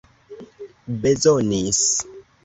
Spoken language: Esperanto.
bezonis